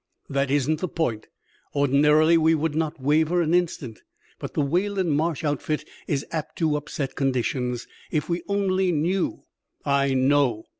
"That isn't the point. Ordinarily we would not waver an instant, but the Wayland Marsh outfit is apt to upset conditions. If we only knew " "I know!"